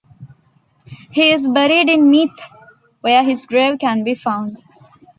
He is buried in Meeth, where his grave can be found.